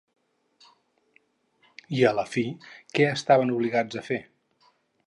I, a la fi, què estaven obligats a fer?